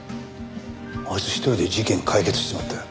あいつ一人で事件解決しちまったよ。